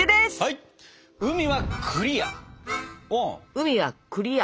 海はクリア。